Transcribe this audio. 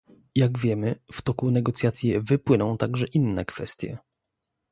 Jak wiemy, w toku negocjacji wypłyną także inne kwestie